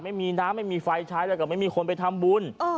ไม่มีน้ำไม่มีไฟใช้แล้วก็ไม่มีคนไปทำบุญ